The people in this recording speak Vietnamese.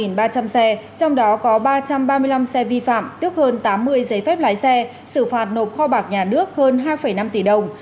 trong đó có ba trăm ba mươi năm xe vi phạm tước hơn tám mươi giấy phép lái xe xử phạt nộp kho bạc nhà nước hơn hai năm tỷ đồng